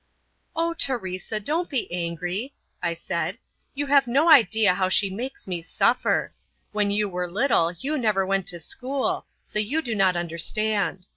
"Oh, Teresa, don't be angry," I said. "You have no idea how she makes me suffer. When you were little you never went to school, so you do not understand.